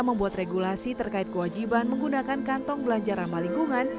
membuat regulasi terkait kewajiban menggunakan kantong belanja ramah lingkungan